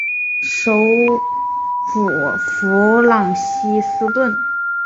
首府弗朗西斯敦。